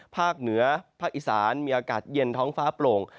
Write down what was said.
ภาคเหนือภาคอีสานมีอากาศเย็นท้องฟ้าโปร่ง